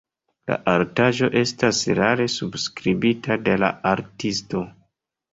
La artaĵo estas rare subskribita de la artisto.